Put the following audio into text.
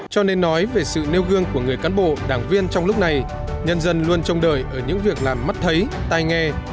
cho nên nói về sự nêu gương của người cán bộ đảng viên trong lúc này nhân dân luôn trông đợi ở những việc làm mắt thấy tai nghe